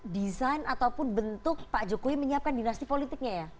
desain ataupun bentuk pak jokowi menyiapkan dinasti politiknya ya